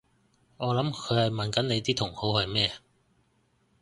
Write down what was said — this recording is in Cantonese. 我諗佢係問緊你啲同好係咩？